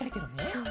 そう。